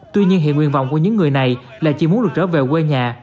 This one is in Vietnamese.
tuy nhiên hiện nguyên vọng của những người này là chỉ muốn được trở về quê nhà